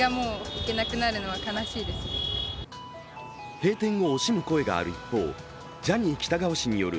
閉店を惜しむ声がある一方、ジャニー喜多川氏による